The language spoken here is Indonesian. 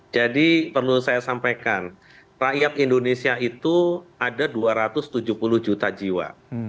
jadi perlu saya sampaikan rakyat indonesia itu ada dua ratus tujuh puluh juta jiwa